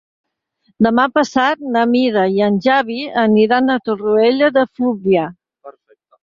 Demà passat na Mira i en Xavi aniran a Torroella de Fluvià.